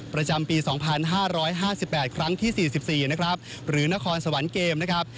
ประจำปี๒๕๕๘ครั้งที่๔๔นะครับหรือนครสวรรค์เกมนะครับ